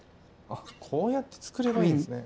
あこうやってつくればいいんですね。